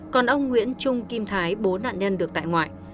còn ông nguyễn trung kim thái bốn nạn nhân được tại ngoại